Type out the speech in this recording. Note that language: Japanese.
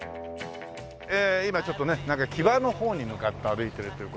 ええ今ちょっとねなんか木場の方に向かって歩いているという事で。